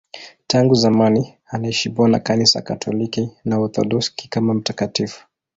Tangu zamani anaheshimiwa na Kanisa Katoliki na Waorthodoksi kama mtakatifu.